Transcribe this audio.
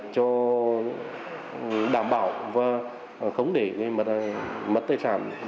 cho đảm bảo và không để mất tài sản